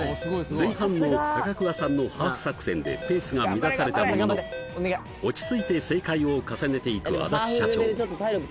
前半の高桑さんのハーフ作戦でペースが乱されたものの落ち着いて正解を重ねていく安達社長